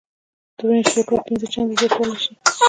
د وينې شوګر پنځه چنده زياتولے شي -